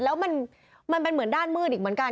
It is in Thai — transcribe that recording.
แล้วมันเป็นเหมือนด้านมืดอีกเหมือนกัน